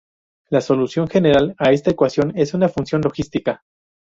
La solución general a esta ecuación es una función logística.